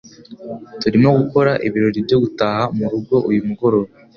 Turimo gukora ibirori byo gutaha murugo uyu mugoroba.